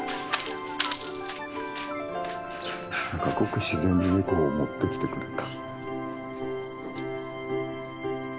ごく自然にネコを持ってきてくれた。